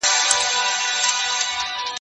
زه مخکي موبایل کارولی و؟